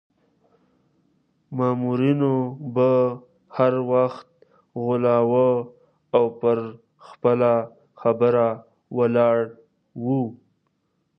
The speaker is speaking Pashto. مامورینو به هر وخت غولاوه او پر خپله خبره ولاړ وو.